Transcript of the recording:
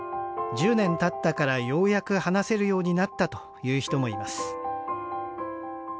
１０年たったからようやく話せるようになったという人もいます